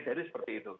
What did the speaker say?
jadi seperti itu